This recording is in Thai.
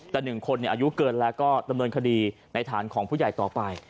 แต่๑คนอายุเกินแล้วก็ดำเนินคดีในฐานของผู้ใหญ่ต่อไป